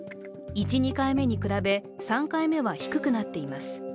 １・２回目に比べ３回目は低くなっています。